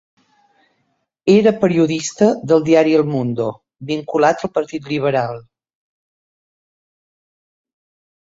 Era periodista del diari El Mundo, vinculat al Partit Liberal.